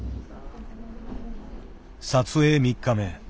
撮影３日目。